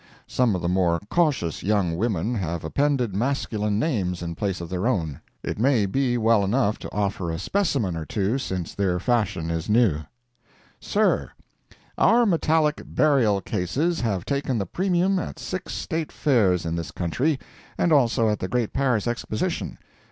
Some of the more cautious young women have appended masculine names in place of their own. It may be well enough to offer a specimen or two since their fashion is new: "SIR: Our metallic burial cases have taken the premium at six State Fairs in this country, and also at the great Paris Exposition.